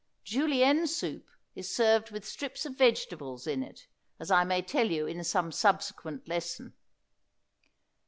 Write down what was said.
Julienne soup is served with strips of vegetables in it, as I may tell you in some subsequent lesson.